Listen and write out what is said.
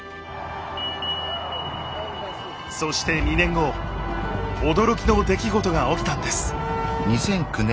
そして２年後驚きの出来事が起きたんです。